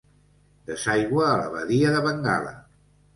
Desaigua a la badia de Bengala.